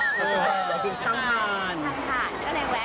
ขังหวาน